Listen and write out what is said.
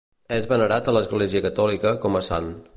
És venerat a l'Església catòlica com a sant.